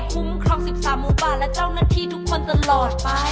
คุ้มครอง๑๓หมู่บ้านและเจ้าหน้าที่ทุกคนตลอดไป